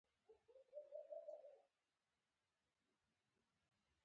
خاونده ما خو داسې نه وېل چې مساپر شم څوک دې خير نه راکوينه